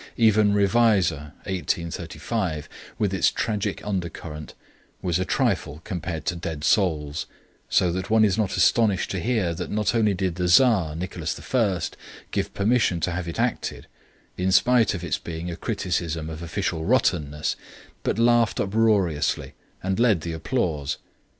Even Revizor (1835), with its tragic undercurrent, was a trifle compared to Dead Souls, so that one is not astonished to hear that not only did the Tsar, Nicholas I, give permission to have it acted, in spite of its being a criticism of official rottenness, but laughed uproariously, and led the applause.